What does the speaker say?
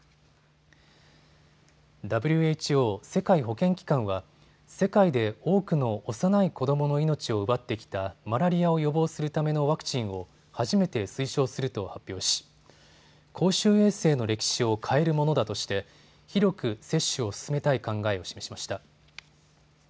ＷＨＯ・世界保健機関は世界で多くの幼い子どもの命を奪ってきたマラリアを予防するためのワクチンを初めて推奨すると発表し公衆衛生の歴史を変えるものだとして広く接種を進めたい考えを示しました。